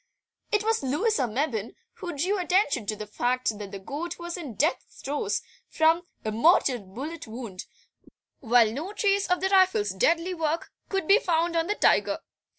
It was Louisa Mebbin who drew attention to the fact that the goat was in death throes from a mortal bullet wound, while no trace of the rifle's deadly work could be found on the tiger.